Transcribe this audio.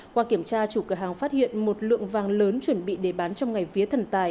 qua kiểm tra chủ cửa hàng phát hiện một lượng vàng lớn chuẩn bị để bán trong ngày vía thần tài